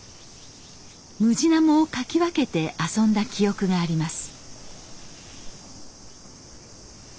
ムジナモをかき分けて遊んだ記憶があります。